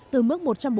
từ mùa xuân